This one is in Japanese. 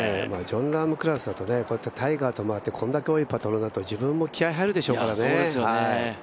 ジョン・ラームクラスだとタイガーと回ってこんだけ多いパトロンだと自分も気合い入るでしょうからね。